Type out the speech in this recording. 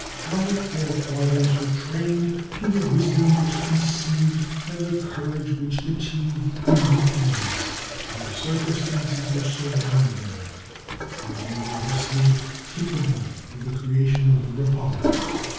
Our forefathers were trained to the wisdom which conceived and the courage which achieved independence by the circumstances which surrounded them, and they were thus made capable of the creation of the Republic.